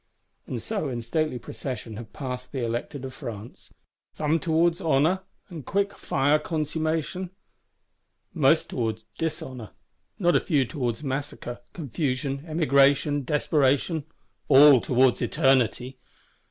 — And so, in stately Procession, have passed the Elected of France. Some towards honour and quick fire consummation; most towards dishonour; not a few towards massacre, confusion, emigration, desperation: all towards Eternity!